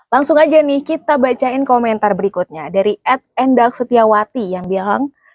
langsung aja nih kita bacain komentar berikutnya dari adendaksetiawati yang bilang